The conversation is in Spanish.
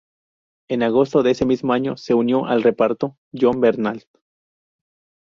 En agosto de ese mismo año se unió al reparto Jon Bernthal.